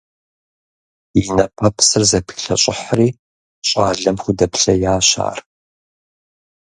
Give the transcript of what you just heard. И нэпэпсыр зэпилъэщӀыхьри, щӀалэм худэплъеящ ар.